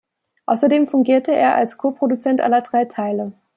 Außerdem fungierte er als Co-Produzent aller drei Teile.